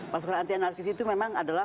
pasukan anti anarkis itu memang adalah